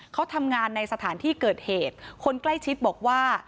เขาทำงานในสถานที่เกิดเหตุคนใกล้ชิดบอกว่า